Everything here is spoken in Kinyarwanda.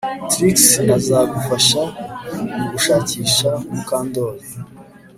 Trix azagufasha mugushakisha Mukandoli